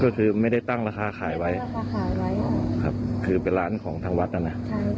ก็คือไม่ได้ตั้งราคาขายไว้ครับคือเป็นร้านของทางวัดน่ะนะ